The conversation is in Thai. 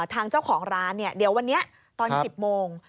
ทางเจ้าของร้านเนี่ยเดี๋ยววันนี้ตอน๑๐โมง